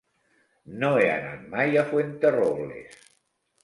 No he anat mai a Fuenterrobles.